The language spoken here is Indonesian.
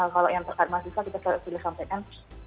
kalau yang terkait mahasiswa kita sudah sampaikan